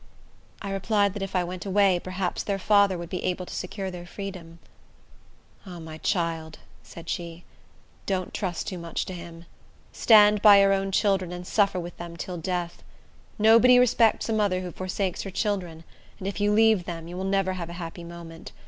I replied, that if I went away, perhaps their father would be able to secure their freedom. "Ah, my child," said she, "don't trust too much to him. Stand by your own children, and suffer with them till death. Nobody respects a mother who forsakes her children; and if you leave them, you will never have a happy moment.